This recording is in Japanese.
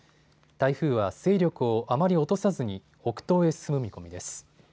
台風は勢力をあまり落とさずに北東へ進む見込みです。